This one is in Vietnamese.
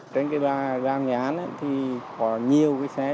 trên cái đoàn nhà án ấy thì có nhiều cái xe